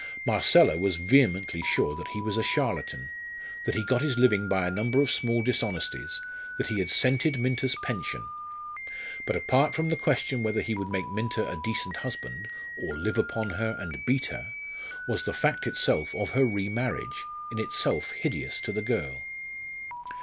Marcella was vehemently sure that he was a charlatan that he got his living by a number of small dishonesties, that he had scented Minta's pension. But apart from the question whether he would make Minta a decent husband, or live upon her and beat her, was the fact itself of her re marriage, in itself hideous to the girl.